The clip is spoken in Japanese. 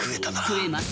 食えます。